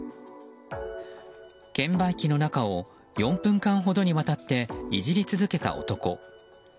券売機の中を４分間ほどにわたっていじり続けた男。